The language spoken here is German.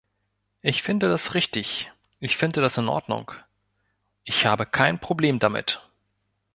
Ich finde das richtig, ich finde das in Ordnung, ich habe kein Problem damit!